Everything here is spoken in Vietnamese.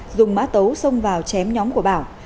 dùng mã tấu xông vào chém nhóm của bảo